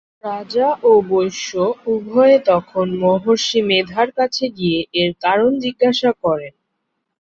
রাজা ও বৈশ্য উভয়ে তখন মহর্ষি মেধার কাছে গিয়ে এর কারণ জিজ্ঞাসা করেন।